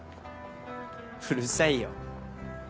うるさいよ。